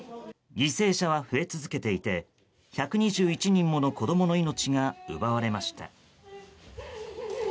犠牲者は増え続けていて１２１人もの子供の命が奪われました。